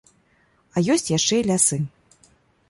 А ёсць яшчэ і лясы.